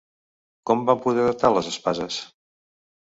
Com van poder datar les espases?